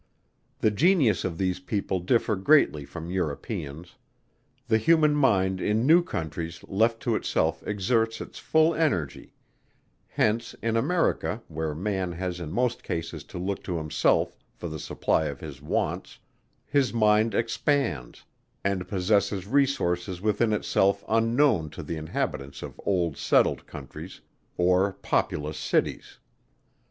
The genius of these people differ greatly from Europeans the human mind in new countries left to itself exerts its full energy; hence in America where man has in most cases to look to himself for the supply of his wants, his mind expands, and possesses resources within itself unknown to the inhabitants of old settled countries, or populous cities.